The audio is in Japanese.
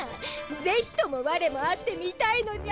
ぜひとも我も会ってみたいのじゃ！